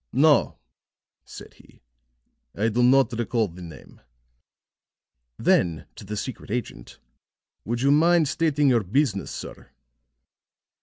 "No," said he, "I do not recall the name." Then to the secret agent: "Would you mind stating your business, sir?"